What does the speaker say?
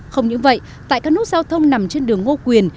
không những vậy tại các nút giao thông nằm trên đường ngô quyền